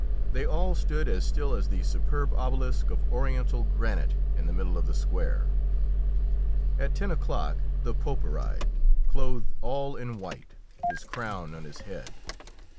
They all stood as still as the superb obelisk of Oriental granite in the middle of the square. At ten o'clock the Pope arrived, clothed all in white, his crown on his head.